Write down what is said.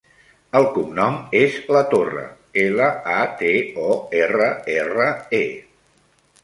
El cognom és Latorre: ela, a, te, o, erra, erra, e.